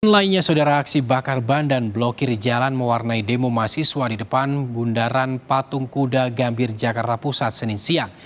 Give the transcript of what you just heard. sembilan lainnya saudara aksi bakar bandan blokir jalan mewarnai demo mahasiswa di depan bundaran patung kuda gambir jakarta pusat senin siang